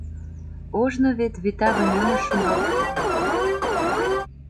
Ожно вет вӱта вынемыш шуҥгалтынам ыле».